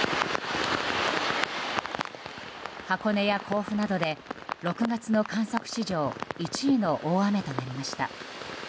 箱根や甲府などで６月の観測史上１位の大雨となりました。